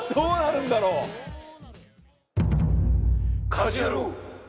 『家事ヤロウ！！！』。